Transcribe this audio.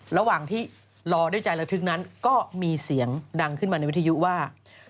ระหว่างที่รอด้วยใจระทึกนั้นก็มีเสียงดังขึ้นมาในวิทยุว่า